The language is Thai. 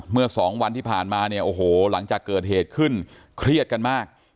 เมื่อสองวันที่ผ่านมาเนี่ยโอ้โหหลังจากเกิดเหตุขึ้นเครียดกันมาก